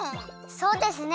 そうですね。